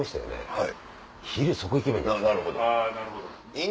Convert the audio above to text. はい。